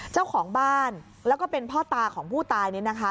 เจ้าของบ้านแล้วก็เป็นพ่อตาของผู้ตายเนี่ยนะคะ